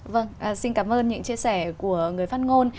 vâng xin cảm ơn những chia sẻ của người phát ngôn